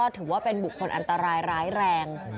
ถือว่าเป็นบุคคลอันตรายร้ายแรง